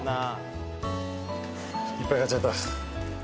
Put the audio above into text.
いっぱい買っちゃった。